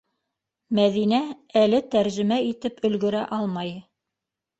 Мәҙинә әле тәржемә итеп өлгөрә алмай.